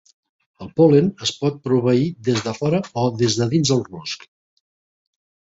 El pol·len es pot proveir des de fora o des de dins del rusc.